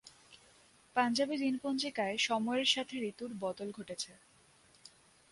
পাঞ্জাবী দিনপঞ্জিকায় সময়ের সাথে ঋতুর বদল ঘটেছে।